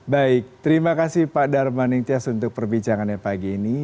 baik terima kasih pak darmanin tias untuk perbicaraan yang pagi ini